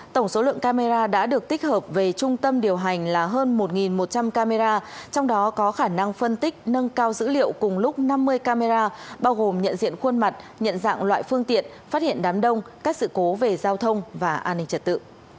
tổng số lượng camera đã được tích hợp về trung tâm điều hành là hơn một một trăm linh camera trong đó có khả năng phân tích nâng cao dữ liệu cùng lúc năm mươi camera bao gồm nhận diện khuôn mặt nhận dạng loại phương tiện phát hiện đám đông các sự cố về giao thông và an ninh trật tự